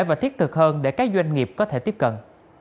và thiết thực hơn để các doanh nghiệp có thể tiếp cận